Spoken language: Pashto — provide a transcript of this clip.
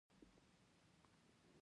د ثور اته ویشتمه ورځ وه.